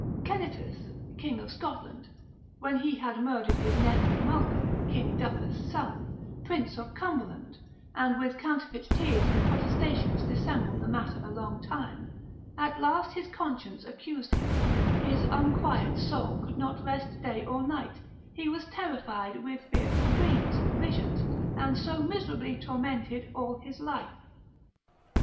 Kennetus, King of Scotland, when he had murdered his nephew Malcom, King Duffe's son, Prince of Cumberland, and with counterfeit tears and protestations dissembled the matter a long time, at last his conscience accused him, his unquiet soul could not rest day or night, he was terrified with fearful dreams, visions, and so miserably tormented all his life.